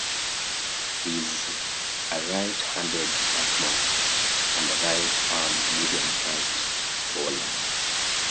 He is a right-handed batman and a right-arm medium-fast bowler.